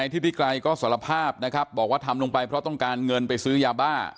ทิศิกรัยก็สารภาพนะครับบอกว่าทำลงไปเพราะต้องการเงินไปซื้อยาบ้า